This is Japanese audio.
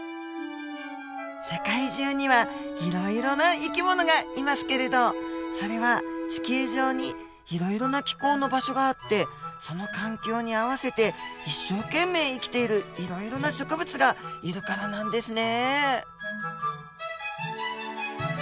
世界中にはいろいろな生き物がいますけれどそれは地球上にいろいろな気候の場所があってその環境に合わせて一生懸命生きているいろいろな植物がいるからなんですね。